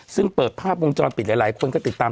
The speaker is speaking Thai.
ซึ่งเปิดภาพวงจรปิดหลายคนก็ติดตาม